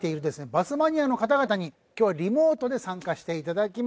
バスマニアの方々に今日はリモートで参加して頂きます。